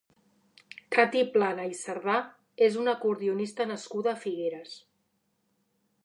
Cati Plana i Cerdà és una acordionista nascuda a Figueres.